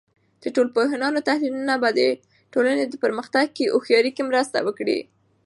د ټولنپوهانو تحلیلونه به د ټولنې په پرمختګ کې هوښیارۍ کې مرسته وکړي.